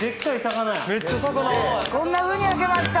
こんなふうに焼けました